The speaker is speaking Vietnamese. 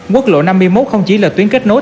quốc lộ năm mươi một không chỉ là tuyến kết nối